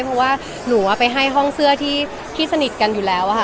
เพราะว่าหนูไปให้ห้องเสื้อที่สนิทกันอยู่แล้วค่ะ